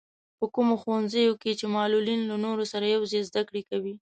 په کومو ښوونځیو کې چې معلولين له نورو سره يوځای زده کړې کوي.